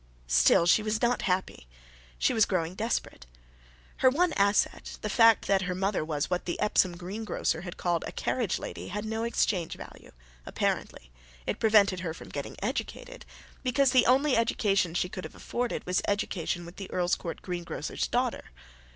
Still, she was not happy. She was growing desperate. Her one asset, the fact that her mother was what the Epsom greengrocer called a carriage lady had no exchange value, apparently. It had prevented her from getting educated, because the only education she could have afforded was education with the Earlscourt green grocer's daughter.